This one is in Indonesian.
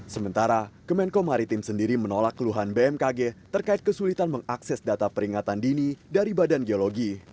sementara kemenko maritim sendiri menolak keluhan bmkg terkait kesulitan mengakses data peringatan dini dari badan geologi